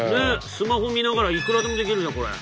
スマホ見ながらいくらでもできるじゃんこれ。